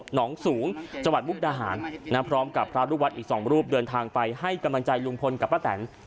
หนองสูงจังหวัดมุกดาหารพร้อมกับพระลูกวัดอีกสองรูปเดินทางไปให้กำลังใจลุงพลกับป้าแตน